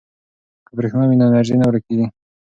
که برښنا وي نو انرژي نه ورکیږي.